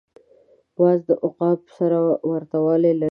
باز د عقاب سره ورته والی لري